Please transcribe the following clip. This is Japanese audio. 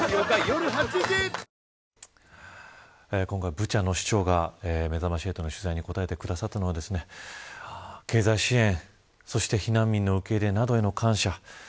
今回、ブチャの市長がめざまし８の取材に答えてくださったのは経済支援、そして避難民の受け入れなどへの感謝